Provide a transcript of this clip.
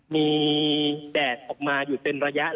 มีแดดออกมาอยู่เป็นระยะ